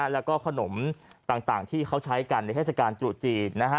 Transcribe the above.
แล้วก็ขนมต่างที่เขาใช้กันในเทศกาลตรุษจีน